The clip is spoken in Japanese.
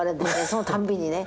そのたんびにね。